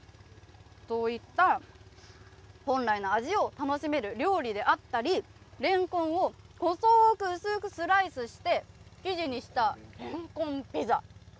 そういった本来の味を楽しめる料理であったり、レンコンを細く薄くスライスして生地にしたレンコンピザ。